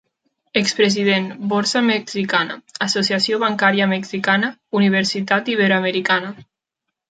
Expresident: Borsa Mexicana, Associació bancària mexicana, Universitat Iberoamericana.